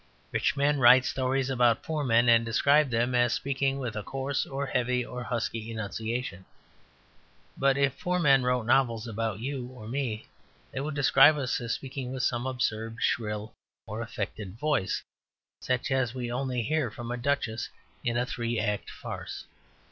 Rich men write stories about poor men, and describe them as speaking with a coarse, or heavy, or husky enunciation. But if poor men wrote novels about you or me they would describe us as speaking with some absurd shrill and affected voice, such as we only hear from a duchess in a three act farce.